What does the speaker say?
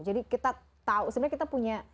jadi kita tahu sebenarnya kita punya